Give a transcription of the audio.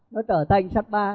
nó trở thành sắt ba